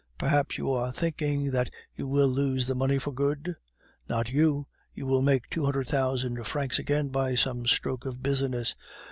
Perhaps you are thinking that you will lose the money for good? Not you. You will make two hundred thousand francs again by some stroke of business.